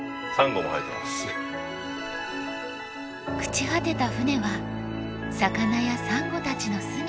朽ち果てた船は魚やサンゴたちの住みかに。